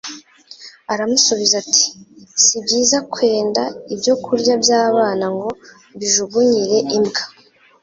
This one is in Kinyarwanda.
Aramusubiza ati : "Si byiza kwenda ibyo kurya by'abana ngo mbijugunyire imbwa."